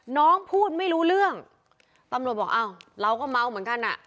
น้องพูดไม่รู้เรื่องตำรวจบอกอ้าวเราก็เมาเหมือนกันอ่ะ